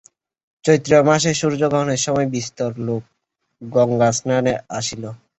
চৈত্র মাসে সূর্যগ্রহণের সময় বিস্তর লোক গঙ্গাস্নানে আসিল।